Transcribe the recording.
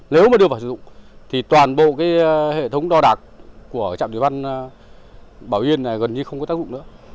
nếu mà đưa vào sử dụng thì toàn bộ hệ thống đo đạc của trạm thủy văn bảo yên này gần như không có tác dụng nữa